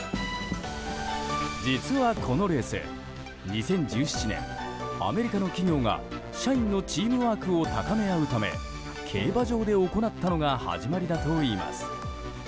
実はこのレース２０１７年、アメリカの企業が社員のチームワークを高め合うため競馬場で行ったのが始まりだといいます。